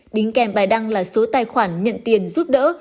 đính kèm bài đăng là số tài khoản nhận tiền giúp đỡ